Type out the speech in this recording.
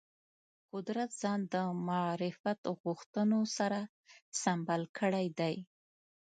قدرت ځان د معرفت غوښتنو سره سمبال کړی دی